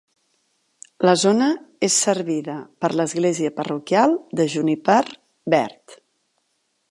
La zona és servida per l'església parroquial de Juniper verd.